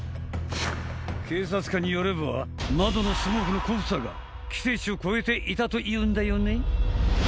警察官によれば窓のスモークの濃さが規定値を超えていたというんだよね